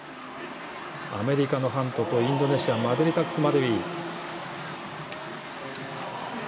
アメリカのハントとインドネシアマデリタクスマデウィ。